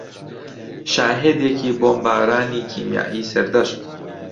شاهێدێکی بۆمبارانی کیمیایی سەردەشت